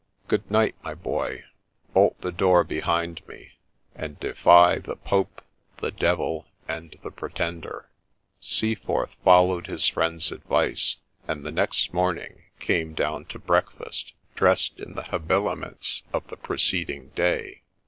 ' Good night, my boy ! Bolt the door behind me ; and defy the Pope, the Devil, and the Pretender !' Seaforth followed his friend's advice, and the next morning came down to breakfast dressed in the habiliments of the pre ceding day.